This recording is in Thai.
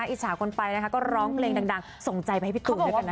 อิจฉาคนไปนะคะก็ร้องเพลงดังส่งใจไปให้พี่ตูนด้วยกันนะ